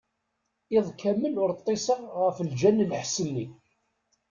Iḍ kamel ur ṭṭiseɣ ɣef lǧal n lḥess-nni.